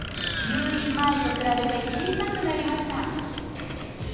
入院前と比べて小さくなりました！